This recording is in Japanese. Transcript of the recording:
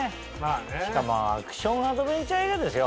しかもアクション・アドベンチャー映画ですよ